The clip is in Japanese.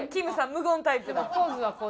無言タイプだ。